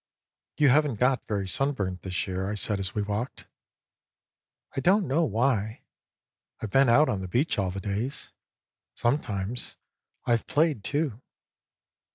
" You haven't got very sunburnt this year," I said as we walked. " I don't know why. I've been out on the beach all the days. Sometimes I've played, too."